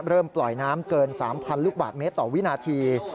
ปล่อยน้ำเกิน๓๐๐ลูกบาทเมตรต่อวินาที